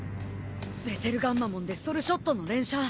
ベテルガンマモンでソルショットの連射。